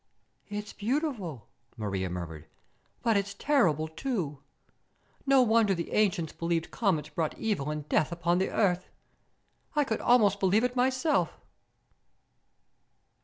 "It's beautiful," Maria murmured, "but it's terrible, too. No wonder the ancients believed comets brought evil and death upon the Earth. I could almost believe it, myself!"